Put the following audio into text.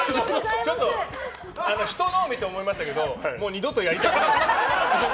人のを見て思いましたけどもう二度とやりたくない。